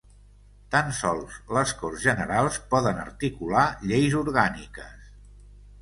Tan sols les Corts Generals poden articular lleis orgàniques.